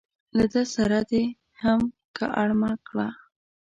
له ده سره دې هم که اړمه کړه.